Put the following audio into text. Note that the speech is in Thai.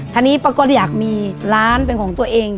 ทีนี้ป้าก็อยากมีร้านเป็นของตัวเอง